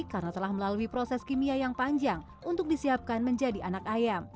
karena telah melalui proses kimia yang panjang untuk disiapkan menjadi anak ayam